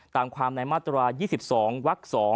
ตามความในมาตรา๒๒วัก๒